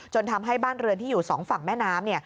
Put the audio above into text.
ทำให้บ้านเรือนที่อยู่สองฝั่งแม่น้ำ